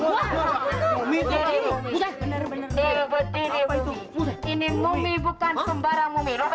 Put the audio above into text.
gue depan banget